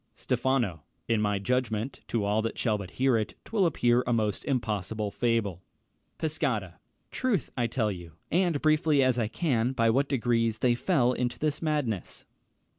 Stephano. In my judgment, To all that shall but hear it, 'twill appear A most impossible fable. Pescara. Troth, I'll tell you, And briefly as I can, by what degrees They fell into this madness.